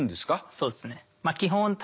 そうですね。